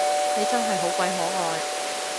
你真係好鬼可愛